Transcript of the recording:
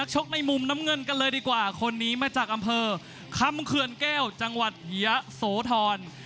ชกในมุมน้ำเงินกันเลยดีกว่าคนนี้มาจากอำเภอคำเขื่อนแก้วจังหวัดเยะโสธร